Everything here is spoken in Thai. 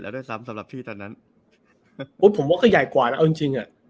แล้วด้วยซ้ำสำหรับพี่ตอนนั้นปุ๊บผมว่าก็ใหญ่กว่าแล้วเอาจริงจริงอ่ะ